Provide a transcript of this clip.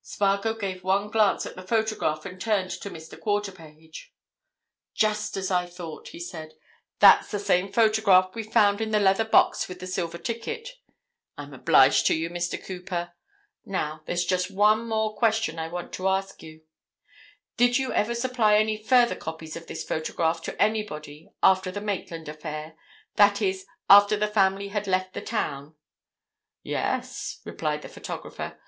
Spargo gave one glance at the photograph and turned to Mr. Quarterpage. "Just as I thought," he said. "That's the same photograph we found in the leather box with the silver ticket. I'm obliged to you, Mr. Cooper. Now, there's just one more question I want to ask. Did you ever supply any further copies of this photograph to anybody after the Maitland affair?—that is; after the family had left the town?" "Yes," replied the photographer.